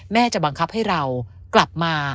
จะบังคับให้เรากลับมา